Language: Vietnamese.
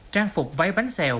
trang phục váy bánh xèo